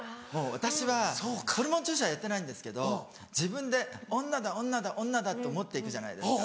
私はホルモン注射はやってないんですけど自分で「女だ女だ女だ」って思って行くじゃないですか。